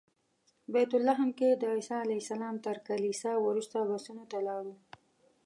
بیت لحم کې د عیسی علیه السلام تر کلیسا وروسته بسونو ته لاړو.